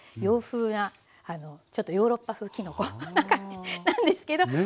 洋風なちょっとヨーロッパ風きのこな感じなんですけど。